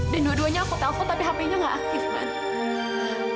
dan dua duanya aku telpon tapi hp nya nggak aktif man